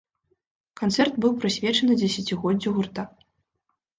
Канцэрт быў прысвечаны дзесяцігоддзю гурта.